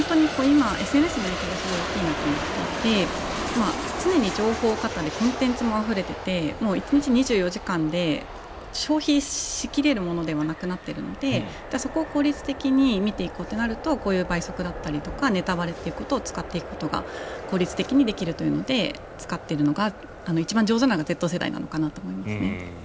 今、ＳＮＳの影響がすごい大きいなと思っていて常に情報過多でコンテンツもあふれていて１日２４時間で消費しきれるものではなくなっているのでそこを効率的に見ていこうとなると倍速だったりとかネタバレということを使っていくことが効率的にできるので使っているのが一番上手なのがＺ世代なのかなと思いますね。